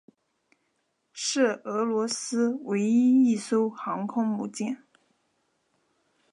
是俄罗斯唯一一艘航空母舰。